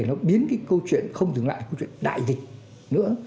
nó biến cái câu chuyện không dừng lại câu chuyện đại dịch nữa